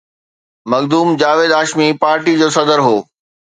Makhdoom Javed Hashmi party جو صدر هو.